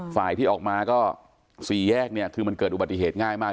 ฝ่ายที่ออกมาก็สี่แยกเนี่ยคือมันเกิดอุบัติเหตุง่ายมาก